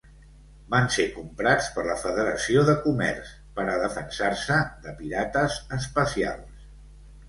Van ser comprats per la Federació de comerç per a defensar-se de pirates espacials.